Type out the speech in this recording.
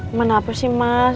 emang kenapa sih mas